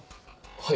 はい。